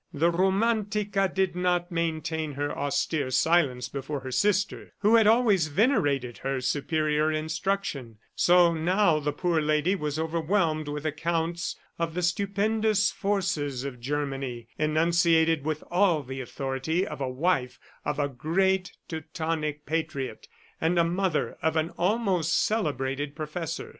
The Romantica did not maintain her austere silence before the sister who had always venerated her superior instruction; so now the poor lady was overwhelmed with accounts of the stupendous forces of Germany, enunciated with all the authority of a wife of a great Teutonic patriot, and a mother of an almost celebrated professor.